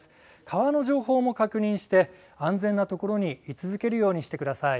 川の情報も確認して、安全なところに居続けるようにしてください。